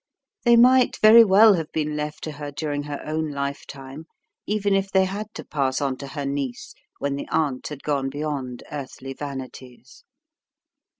They might very well have been left to her during her own lifetime, even if they had to pass on to her niece when the aunt had gone beyond earthly vanities.